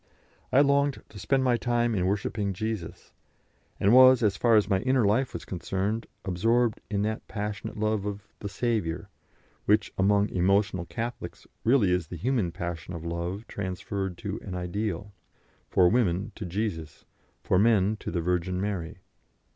I longed to spend my time in worshipping Jesus, and was, as far as my inner life was concerned, absorbed in that passionate love of "the Saviour" which, among emotional Catholics, really is the human passion of love transferred to an ideal for women to Jesus, for men to the Virgin Mary.